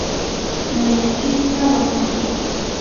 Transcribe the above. nanaykita watukuy.